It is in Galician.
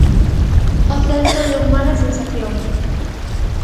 O Celta deu mala sensación.